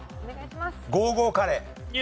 ゴーゴーカレー。